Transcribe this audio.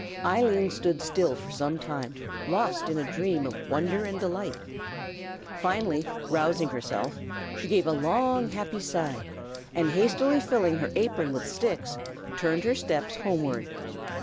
Eileen stood still for some time, lost in a dream of wonder and delight. Finally rousing herself, she gave a long, happy sigh, and hastily filling her apron with sticks, turned her steps homeward.